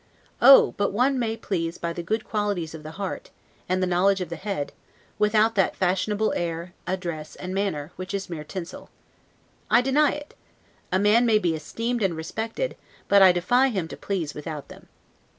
Oh! but one may please by the good qualities of the heart, and the knowledge of the head, without that fashionable air, address and manner, which is mere tinsel. I deny it. A man may be esteemed and respected, but I defy him to please without them.